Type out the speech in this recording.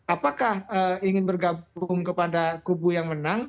apakah ingin bergabung kepada kubu yang menang